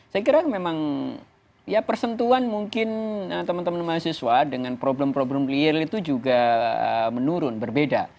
saya kira memang ya persentuhan mungkin teman teman mahasiswa dengan problem problem klien itu juga menurun berbeda